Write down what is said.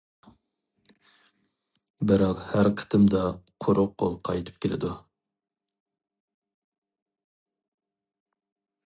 بىراق ھەر قېتىمدا قۇرۇق قول قايتىپ كېلىدۇ.